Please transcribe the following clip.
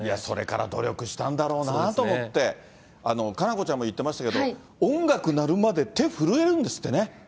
それから努力したんだろうなと思って、佳菜子ちゃんも言ってましたけど、音楽鳴るまで手震えるんですってね。